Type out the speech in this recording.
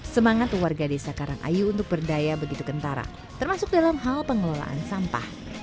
semangat warga desa karangayu untuk berdaya begitu kentara termasuk dalam hal pengelolaan sampah